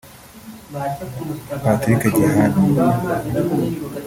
Patrick Gihana